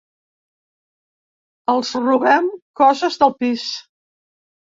Els robem coses del pis.